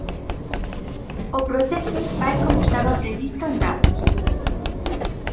O proceso vai como estaba previsto en datas.